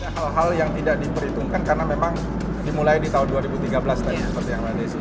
hal hal yang tidak diperhitungkan karena memang dimulai di tahun dua ribu tiga belas tadi seperti yang mbak desi